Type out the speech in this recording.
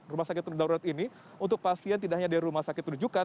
rumah sakit darurat ini untuk pasien tidak hanya dari rumah sakit rujukan